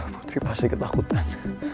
putri pasti ketakutan